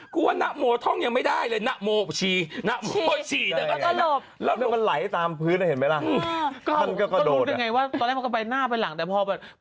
ควรจะมีห้องน้ำที่แบบ